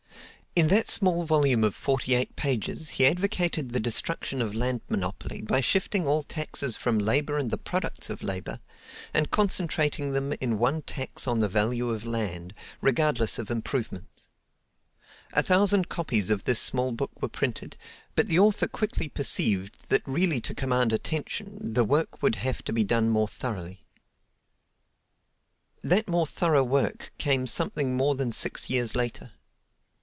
In that small volume of forty eight pages he advocated the destruction of land monopoly by shifting all taxes from labor and the products of labor and concentrating them in one tax on the value of land, regardless of improvements. A thousand copies of this small book were printed, but the author quickly perceived that really to command attention, the work would have to be done more thoroughly. That more thorough work came something more than six years later.